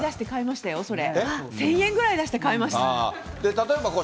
１０００円ぐらい出して買いましたよ、それ。